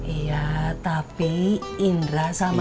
iya tapi indra sama